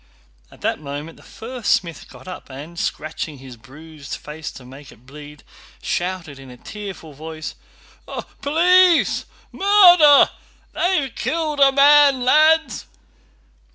At that moment the first smith got up and, scratching his bruised face to make it bleed, shouted in a tearful voice: "Police! Murder!... They've killed a man, lads!"